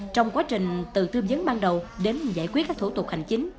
trong quá trình từ tư dấn ban đầu đến giải quyết các thủ tục hành chính